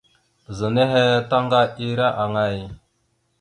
Ɓəza nehe taŋga ira aŋay?